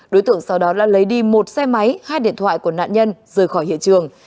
đối tượng sau đó đã lấy đi một xe máy hai điện thoại của nạn nhân rời khỏi hiện trường